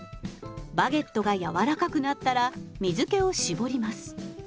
バゲットが柔らかくなったら水けを絞ります。